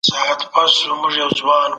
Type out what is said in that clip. قومي پلوي په څېړنه کې ځای نه لري.